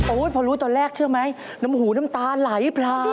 พอรู้ตอนแรกเชื่อไหมน้ำหูน้ำตาไหลพลา